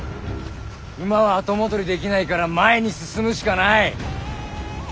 馬は後戻りできないから前に進むしかない。